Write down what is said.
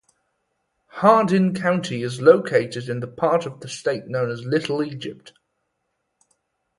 Hardin County is located in the part of the state known as Little Egypt.